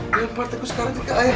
dia lempar tikus karantina ke ayah